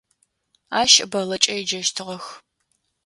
Ащ Бэллэкӏэ еджэщтыгъэх.